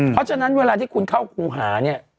เพราะฉะนั้นเวลาที่คุณเข้าครูหาเนี่ย